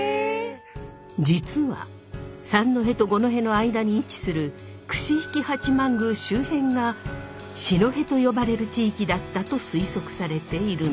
実は三戸と五戸の間に位置する櫛引八幡宮周辺が四戸と呼ばれる地域だったと推測されているのです。